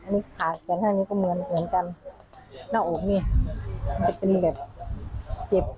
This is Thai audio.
เมาแล้วก็เมาเหล้าเมาสารพรรดค่ะ